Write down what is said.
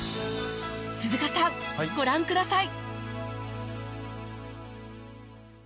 鈴鹿さんご覧ください